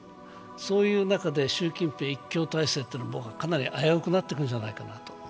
そういう中で習近平一強体制というのは僕は、かなり危うくなってくるんじゃないかなと。